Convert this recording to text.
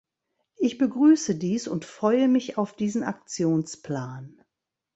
Ich begrüße dies und freue mich auf diesen Aktionsplan.